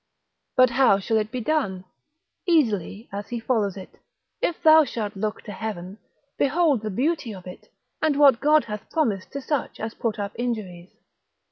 But how shall it be done? Easily, as he follows it, if thou shalt look to heaven, behold the beauty of it, and what God hath promised to such as put up injuries.